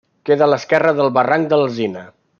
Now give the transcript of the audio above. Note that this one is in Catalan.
Queda a l'esquerra del barranc d'Alzina.